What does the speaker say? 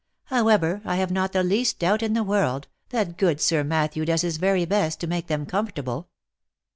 How ever, I have not the least doubt in the world, that good Sir Matthew does his very best to make them comfortable."